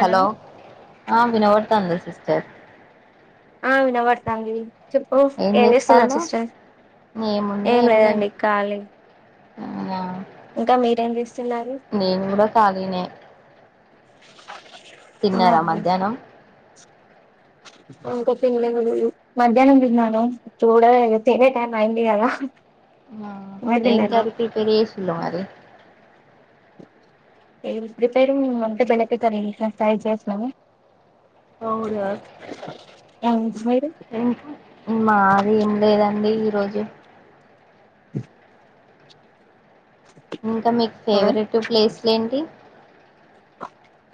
Hello ఆ వినబడ్తందా sister ఆ వినబడుతంది చెప్పు ఏం చేస్తున్నారు సిస్టర్ ఏం లేదండి కాలీ అవునా చేస్తున్నారు నేను కూడా కాలినే తిన్నారా మధ్యాహ్నం ఇంక తినలేదండి మధ్యాహ్నం తిన్నాను చూడలే తినే టైం అయింది కదా మీరు ఎం తిన్నారా కరి ప్రిపేర్ చేసిల్లు మరి ఎం ప్రిపేరింగ్ అంటే బెండకాయ ఫ్రేయ్ చేసినం అవునా మీరు ఇంకా మాది ఏం లేదండి ఈరోోజు ఇంకా మీకు హలో ఫేవరెట్ ప్లేసులు ఏంటి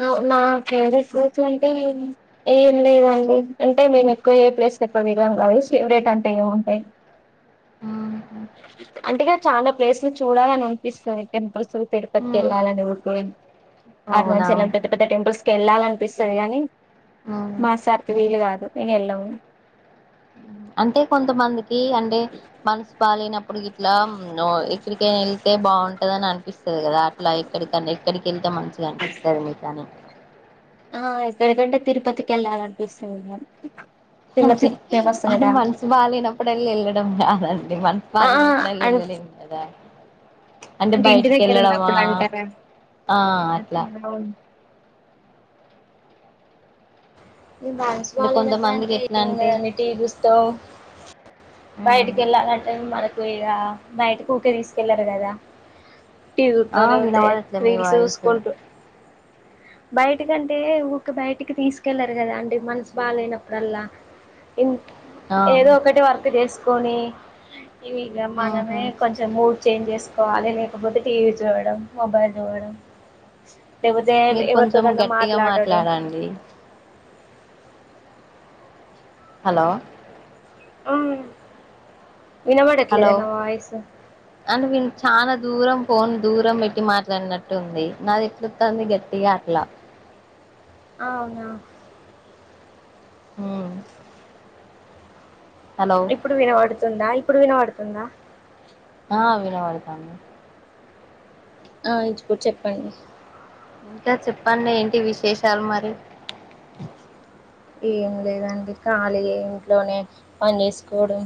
బ నా ఫేవరెట్ ప్లేస్ అంటే ఏం లేదండి అంటే మేము ఎక్కువ ఏ ప్లేస్ కువ విలం కావ్ ఫేవరెట్ అంటే ఏముంటాయి అంటే ఇగ చాలా ప్లేసులు చూడాలని అనిపిస్తది టెంపుల్స్ తీరుపతికి ఉమ్ వెళ్ళాలని ఊకే అవునా అరుణచలం పెద్ద పెద్ద టెంపుల్స్ కి వెళ్ళాలనిపిస్తది గానీ ఉమ్ మాసార్ కు వీలు కాదు ఇగ వెళ్ళాం అంటే కొంతమందికి అంటే మనసు బలేనప్ నప్పుడు గిట్లా న్ ఎక్కడికైనా వెళ్తే బాగుంటంద అని అనిపిస్తది కదా అట్లా ఎక్కడికన్నా ఎక్కడికి కేళ్తే మంచిగా అనిపిస్తది మీకని ఆ ఎక్కడికంటే తిరుపతికిళ్ళాలనిపిస్తది నాకు అదే అది మనసు బాలేనప్పుడల్ళ వెళ్ళడం కాదండి మనసు ఆ బాలేనప్పుడళ్ళ అన్ వెళ్ళలే కదా అంటే ఇంటి దగ్గర బయటికేళ్ళడమా ఉన్నప్పుడు అంటారా ఆ అట్లా ఇగ మనసు అంటే బాలేనప్పుడు కొంతమందికి అంటే ఎట్లా ఎం అంటే ఉన్నదండి టీవీచుస్తం ఉమ్, బయటికేళ్ళాలంటే మనకు ఇగ బైటికీ ఊకె తీసుకెళ్లారు కదా టీవి చూత ఆ లేకపోతె వినబడట్లే మీ రీల్స్ వాయిస్ చూసుకుంట్ బయటికంటే ఊకె బయటికి తీస్ కెళ్లరు కదా అండి మనసు బాగాలేనప్పుడల్లా ఆ ఏదో ఒకటిే వర్క్ చేస్ కోని ఇవి ఇగ ఆహా మనమే కొంచెం మూడ్ చేంజ్ చేస్ కోవాలి లేకపోతే టీవి చూడడం మొబైల్ చూడడం లేపోతే మీరు కొంచెం ఎవరితోటైనా గట్టిగా మాట్లాడడం మాట్లాడండి హలో ఆవునా వినమాడట్లేద నా వయిసు చానా దూరం పోన్ దూరం పెట్టి మాట్లాడినట్టు ఉంది నాది ఎట్లోతంది గట్టిగా అట్లా అవునా మ్ ఇప్పుడు వినబడుతుందా ఇప్పుడు వినబడుతుందా ఆ వినపడుతంది ఆ ఇచ్చుపుడ్ చెప్పండి ఇంకా చెప్పండి ఏంటి విశేషాలు మరి ఎం లేదండి కాళియే ఇంట్లోనే పని చేేసుకోవడం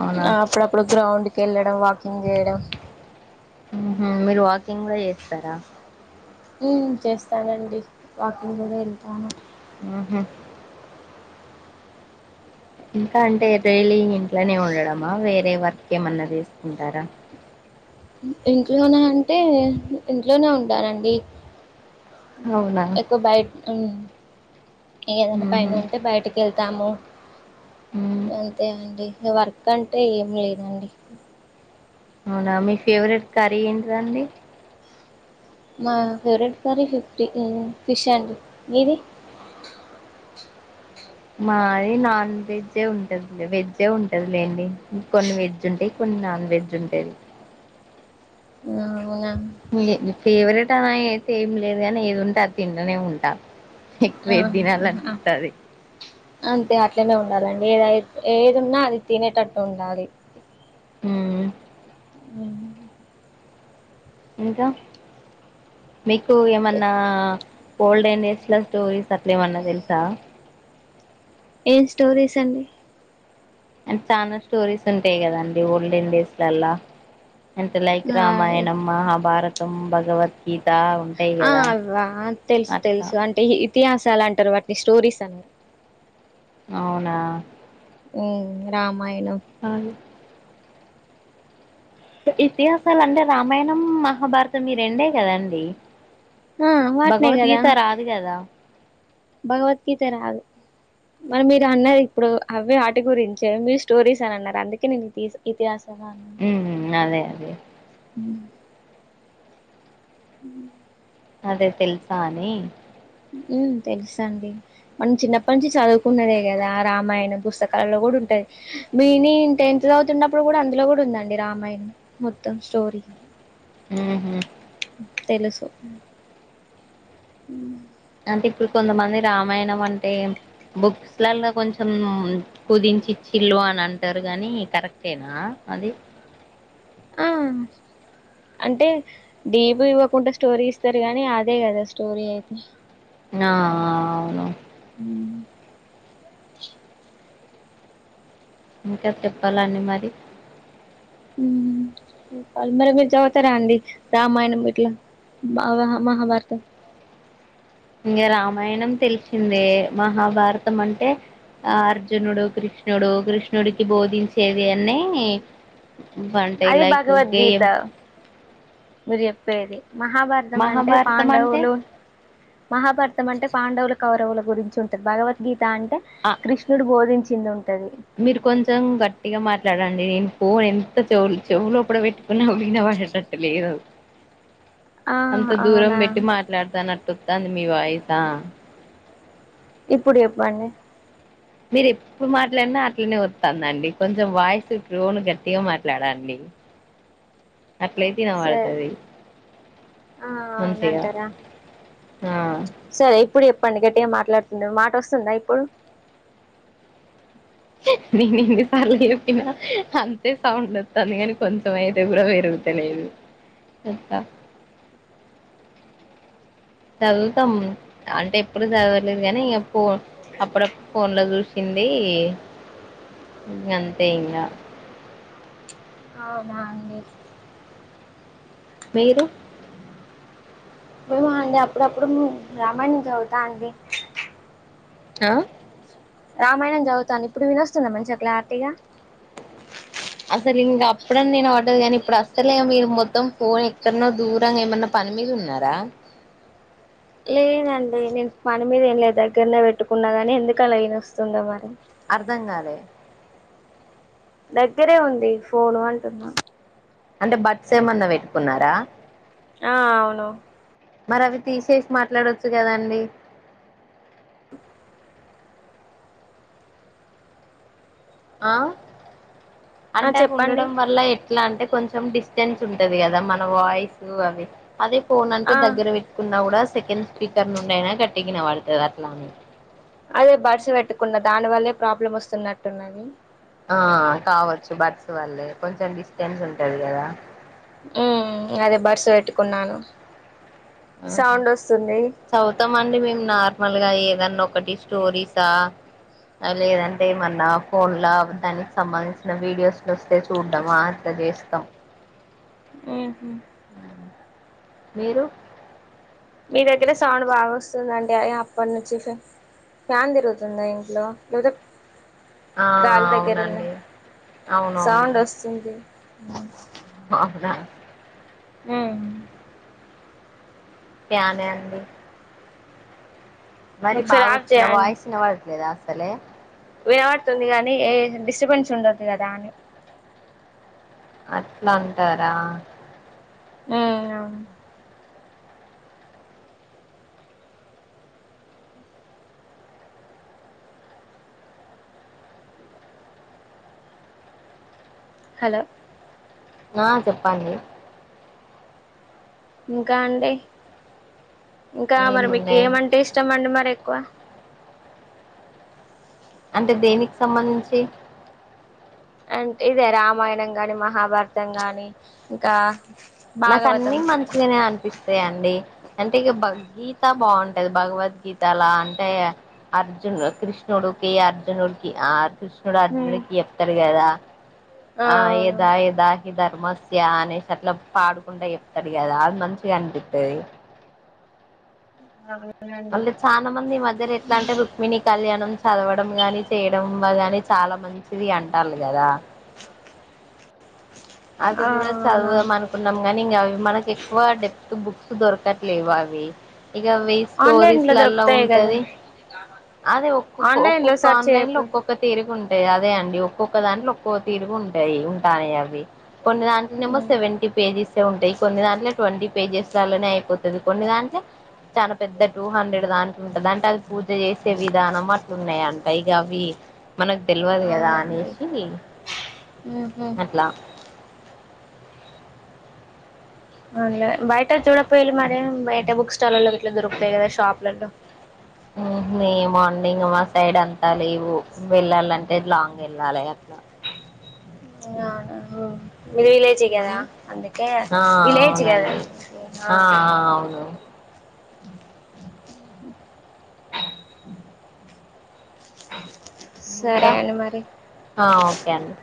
అవునా ఆ అప్పుడప్పుడు గ్రౌండ్కి వెళ్ళడం వాకింగ్ చేయడం మ్ హు మీరు వాకింగ్ కుడా చేస్తారా మ్ చేస్తానండి వాకింగ్ కూడా వెళ్తాను మ్ హు ఇంకా అంటే డైలి ఇంట్లోనే ఉండడమా వేరే వర్క్ ఏమన్నా చేసుకుంటారా ఇంట్లోనే అంటే ఇంట్లోనే ఉంటానండి అవునా ఎక్కువ బైట్ ఏదైనా ఉహు పని ఉంటే బయటికేళ్తాము ఉమ్ అంతే అండి వర్క్ అంటే ఏం లేదండి అవునా మీ ఫేవరెట్ కర్రీ ఏంటిదండి మా ఫేవ్రెట్ కర్రి ఫిఫ్టి ఊ ఫిష్షండి మీది మాయి నాన్ వెజ్జే ఉంటద్లె వెజ్జే ఉంటద్లేండి కొన్ని వెజ్జుంటయ్ కొన్ నాన్వెజ్జుంటది. ఆ ఔన ముయె ని ఫేవ్రేటాన అయ్తె ఏమ్ లేద్ గాని ఏదుంటె అద్ తింటానే ఉంట ఆ అ అ అంతె అట్లనుండాలన్ వేదయిత్ ఏదున్న అది తినేటట్టుండాలి. ఊమ్. రామాయ్ణం ఇంకా మీకూ ఓకే. ఏమన్నా ఓల్డెన్ డేస్ల స్టోరీస్ అట్లేమన్న దెల్సా. ఏం స్టోరీసండి. అంట్ చానా స్టోరీసుంటయ్ గదండి ఓల్డేన్ డేస్లల్ల అంతె లైక్ ఆ, రామాయణం మహాభారతం భగవద్గీ ఆ అవ్వా తెల్స్ అట్లా తెల్సు అంటె హి ఇతిహాసాలంటర్ వాట్ని స్టోరీసనరు. ఔనా ఊమ్ రామాయ్ణం. ఇతిహాసాలంటె రామాయ్ణమ్ మహాభారతం ఈ రెండే కదండి. ఆ, వాటినే కదా భగవద్గీత రాదు గద. భగవద్గీత రాదు. మరి మీరన్నరిప్పుడు అవ్వే ఆటి గురించె మీరు స్టోరీస్ అనన్నరు అందుకె నేనితీస్ ఇతిఆ ఊమ్ ఉ అదె అదే ఊమ్. అదె తెల్సా అని. ఊమ్ తెల్సండి మన్మ్ చిన్నప్పట్ నుంచి చదువుకున్నదే గదా రామాయణ పుస్తకాల్లో గూడుంట [unintelligible] మీ నీన్ టెన్త్ జదువ్తున్నప్పుడ్ గూడా అందులొ గూడుందండి రామాయ్ణం మొత్తం స్టోరి. ఊహు తెలుసు ఉమ్ ఊమ్ అంటె ఇప్పుడ్ కొందమంది రామాయ్ణమంటె బుక్స్లల్లొ కొంచమ్ కుదించిచ్చి ఇల్లు అని అంటర్ గానీ కరెక్టేనా అది. ఆ అంటే డీపీ ఇవ్వకుంట స్టోరీ ఇస్తర్ గానీ అదే గద స్టోరీ ఐతె నా ఆ ఔను. ఊమ్. ఇంక తెప్పాలండి మరి ఊమ్. చెప్పాల్ మరి మీర్ జదువ్తరా అండి రామాయ్ణం ఇట్ల బావహ మహాభారతం ఇంగ రామాయ్ణం తెల్షిందే మహాభారతమంటె ఆ అర్జునుడు కృష్ణుడు కృష్ణుడికి బోధించేది అన్నీ అది భగవద్గీత మిర్ జె ప్పేది మహాభారతమంటె మహాభారతం అంటే పాండవులు మహాభార్తమంటె పాండవ్లకు కౌరవుల గురించుంటది భగవద్గీత అంటె ఆ కృష్ణుడు బోధించిందు మీరు కొంచెం గట్టిగా మాట్లాడండి నేను ఫోన్ ఎంత చెవు చెవులు లోపల కూడ పెట్ ఉన్నా వినబడటట లేదు ఆ అంత దూరం అవునా పెట్టి మాట్లాడుతాన్న తోతాంది మీ వాయిస్ ఆ ఇప్పుడు చెప్పండి మీరు ఎప్పుడు మాట్లాడినా అట్లనే వస్తాందండి కొంచెం వాయిస్ టోన్ గట్టిగా మాట్లాడండి. [inaudible] [inaudible] అట్లయితే సరే వినపడుతది ఆ అంతేగా అవునంటారా ఆ సరే ఇప్పుడు చెప్పండి గట్టిగా మాట్లాడుతుండే మాట వస్తుందా ఇప్పుడు నేను ఎన్ని సార్లు చెప్పినా అంతే సౌండ్ వస్తాంది కానీ కొంచెం అయితే కూడా పెరగు తేనే చూడు తెస్తా చదువుతాం అంటే ఎప్పుడు చదవలేదు కానీ ఇన్ ఫోన్ అప్పుడప్పుడు ఫోన్ లో చూసిన్ ది ఇంక అంతే ఇంగ అవునా అండి మీరు హా అండి అప్పుడప్పుడు ఉహ్మ్ రామాయణం చదువుతాండి ఆ రామాయణం చదువుతున్నా ఇప్పుడు వినస్తోంది మంచిగా క్లారిటీగా అసలింగ ఎప్పుడన్నా వినపడది కానీ ఇప్పుడు అసలే ఏమి మొత్తం ఫోన్ ఎక్కడనో దూరంగా ఏమైన్నా పని మీరు ఉన్నారా [inaudible] లేదండి నేను పని మీద ఏం లేదు దగ్గరనే పెట్టుకున్నా గానీ ఎందుకు అలా వినొస్తుందో మరీ అర్థం కాలే దగ్గరే ఉంది ఫోన్ అంటున్న అంటే బర్డ్స్ ఏమన్నా పెట్టుకున్నారా ఆ అవును మరి అవి తీసేసి మాట్లాడొచ్చు కదా అండి ఆ ఆ అంటే చెప్పండి ఉండడం వల్ల ఎట్లా అంటే కొంచెం డిస్ టెన్స్ ఉంటది కదా మన వాయిస్ యి అవి అదే ఫోన్ అంటే ఆ దగ్గర పెట్టుకున్నా కూడా సెకండ్ స్పీకర్ నుండి అయినా గట్టిగా వినపడుతుంది అట్లా అని అదే బడ్స్ పెట్టుకున్న దాని వల్లే ప్రాబ్లమ్ వస్తున్నట్టున్నది ఆ కావచ్చు బడ్స్ వల్లే కొంచెం డిస్టెన్స్ ఉంటది కదా ఉ అదే బర్డ్స్ పెట్టుకున్నాను సౌండ్ వస్తుంది చదువుతామండి మేము నార్మల్గా ఏ ఏదన్నా ఒకటి స్టోరీసా లేదంటే ఏమన్నా ఫోన్ లో దానికి సంబంధించిన వీడియోస్ వస్తే చూడ్డమా చేస్తాం ఉహు మీరు మీ దగ్గర సౌండ్ బాగా వస్తుందండి అ అ అప్పటి నుంచి ఫ్యాన్ తిరుగుతుందా ఇంట్లో ఆ గాలి దగ్గరున్న అవునండి అవునవును సౌండ్ వస్తుంది అవునా ఉ ఫ్యానే అండి మరి ఒకసారి బాగ ఆఫ్ వస్తుందా చేయండి వాయిస్ ఇనబడట్లేదా అసలే వినబడుతుంది గానీ ఏ డిస్టర్బెన్స్ ఉండదు కదా అని అట్లా అంటారా మ్మ్ అవును హలో ఆ చెప్పండి ఇంకా అండి ఇంకా మరి మీకు ఏమున్నాయి ఏమంటే ఇష్టం అండి మరి క్కువ అంటే దేనికి సంబంధించి అంటే ఇదే రామాయణం గాని మహాభారతం గాని ఇంకా నాకు భాగవతం అన్ని మంచిగానే అనిపిస్తాయండి అంటే ఇగ బగ్ గీత బావుంటది భగవద్గీతల అంటే అర్జున్ కృష్ణుడు కి అర్జునుడికి ఆ కృష్ణుడు హ్మ్ అర్జునుడికి జేప్తాడు కదా ఆ యద యదకి ధర్మస్య అనేసి అట్ల పాడకుంటా చెప్తాడు కదా అది మంచిగా అనిపిత్తది అదే మళ్ళీ చానా మంది ఈ మధ్యన ఎట్ల అంటే రుక్మిణి కళ్యాణం చదవడం గాని చేయడం గాని చాలా మంచిది అంటాళ్ళు గదా అది ఆ గూడా అవునా చదువుదాం అనుకున్నాం గానీ ఇంకా అవి మనకు ఎక్కువ డెప్త్ బుక్స్ దొరకట్లేవు అవి ఇగ అవి ఆన్లైన్ లో స్టోరీస్‌ల్లలా దొరుకుతాయి కదా ఉంటది అదే ఒక్కొక్క ఆన్లైన్ లో ఒక్కొక్క సెర్చ్ ఆన్లైన్లో చేయపో ఒక్కొక్క తీరుగ ఉ అదే అండి ఒక్కొక్క దాంట్లో ఒక్కొ తిరుగ ఉంటది ఉంటాయి అవి కొన్ని దాంట్లోనేమో సెవెంటీ పేజీస్ ఉంటాయి కొన్ని దాంట్లో ట్వంటీ పేజెస్ గలనే అయిపోతది కొన్ని దాంట్లో చాలా పెద్ద టూ హండ్రెడ్ దానికి ఉంటదంట అది పూజ జేసే విధానం అ ఉన్నాయంట ఇగ అవి మనకు తెల్వదు గదా అవునా అండి అనేసి ఊహూ అట్ల అల్నే బయట చూడపోయిల మరి బయట బుక్ స్టాల్‌ల్లలో గిట్లా దొరుకుతయి గదా షాప్లల్లో ఏమో అండి ఇంగ మా సైడ్ అంతా లేవు వెళ్ళాలంటే లాంగ్ వెళ్ళాలి అట్లా అ గాన వో విలేజి గదా ఉమ్, అందుకే ఆ విలేజ్ గదా అవునండి ఆ ఉంట సరే అండి మరి ఆ ఓకే అండి